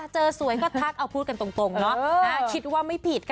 สวยก็ทักเอาพูดกันตรงเนาะคิดว่าไม่ผิดค่ะ